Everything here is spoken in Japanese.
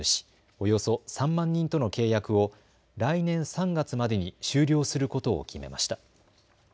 およそ３万人との契約を来年３月までに終了することを決めました。